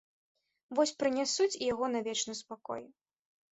Вось прынясуць і яго на вечны спакой.